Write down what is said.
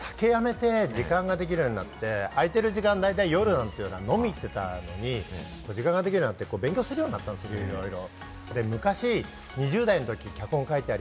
酒をやめて時間ができるようになって、空いてる時間、夜なんですけれども、飲みに行っていたときに、時間が空いて勉強するようになったんですよ、いろいろ。